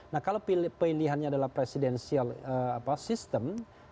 nah kalau pilihannya adalah presidensial sistem